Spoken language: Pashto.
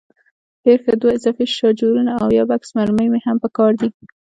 ډېر ښه، دوه اضافي شاجورونه او یو بکس مرمۍ مې هم په کار دي.